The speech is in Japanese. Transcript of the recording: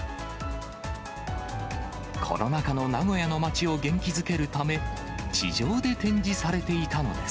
コロナ禍の名古屋の街を元気づけるため、地上で展示されていたのです。